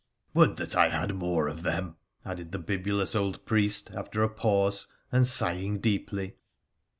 Would that I had more of them !' added the bibulous old priest after a pause, and sighing deeply.